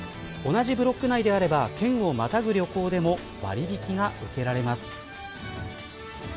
同じブロック内であれば県をまたぐ旅行でも割引が受けられます。